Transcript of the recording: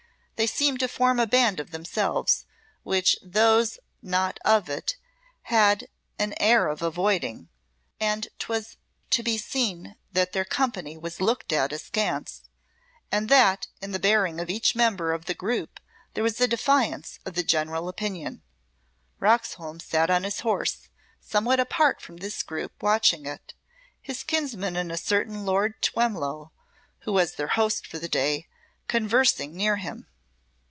They seemed to form a band of themselves, which those not of it had an air of avoiding, and 'twas to be seen that their company was looked at askance, and that in the bearing of each member of the group there was a defiance of the general opinion. Roxholm sat on his horse somewhat apart from this group watching it, his kinsman and a certain Lord Twemlow, who was their host for the day, conversing near him.